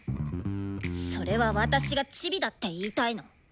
それは私がチビだって言いたいの？